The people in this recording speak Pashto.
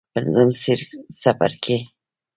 پنځم څپرکی.